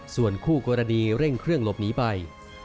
ส่วนคู่กรณีเร่งเครื่องหลบหนีไป